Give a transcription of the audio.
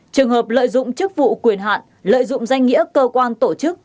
trường hợp lợi dụng chức vụ quyền hạn lợi dụng danh nghĩa cơ quan tổ chức